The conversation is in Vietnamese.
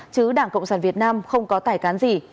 chứ đảng cộng sản việt nam không có tài cán gì